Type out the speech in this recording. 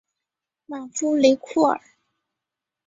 马夫雷库尔。